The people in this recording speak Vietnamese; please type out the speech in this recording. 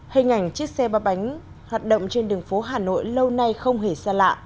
hình ảnh chiếc xe ba bánh hoạt động trên đường phố hà nội lâu nay không hề xa lạ